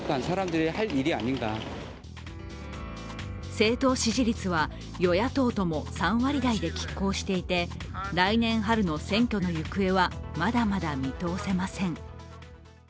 政党支持率は与野党とも３割台できっ抗していて来年春の選挙の行方はまだまだ見通せません。